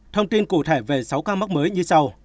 thông tin cụ thể về sáu ca mắc mới như sau